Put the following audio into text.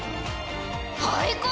廃校！？